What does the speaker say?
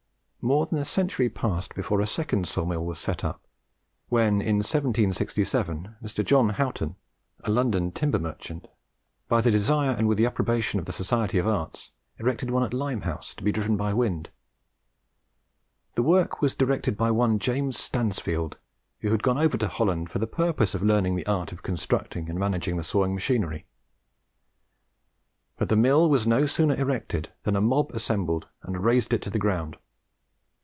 More than a century passed before a second saw mill was set up; when, in 1767, Mr. John Houghton, a London timber merchant, by the desire and with the approbation of the Society of Arts, erected one at Limehouse, to be driven by wind. The work was directed by one James Stansfield, who had gone over to Holland for the purpose of learning the art of constructing and managing the sawing machinery. But the mill was no sooner erected than a mob assembled and razed it to the ground.